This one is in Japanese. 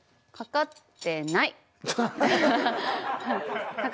かかってないやろ。